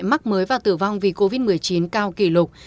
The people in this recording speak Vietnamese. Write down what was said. mắc mới và tử vong vì covid một mươi chín cao kỷ lục